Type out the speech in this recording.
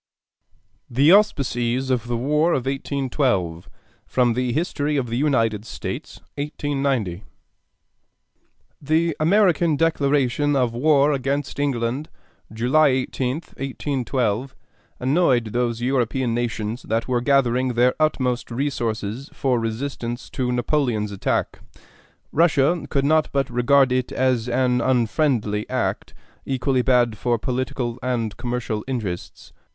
THE AUSPICES OF THE WAR OF 1812 From 'History of the United States': copyright 1890, by Charles Scribner's Sons. The American declaration of war against England, July 18th, 1812, annoyed those European nations that were gathering their utmost resources for resistance to Napoleon's attack. Russia could not but regard it as an unfriendly act, equally bad for political and commercial interests.